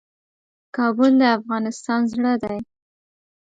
کابل د افغانستان زړه دی